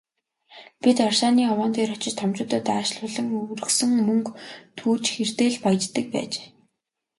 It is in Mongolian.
Бид рашааны овоон дээр очиж томчуудад аашлуулан, өргөсөн мөнгө түүж хэрдээ л «баяждаг» байж.